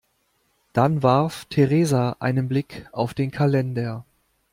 Dann warf Theresa einen Blick auf den Kalender.